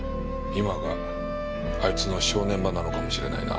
今があいつの正念場なのかもしれないな。